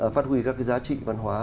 phát huy các cái giá trị văn hóa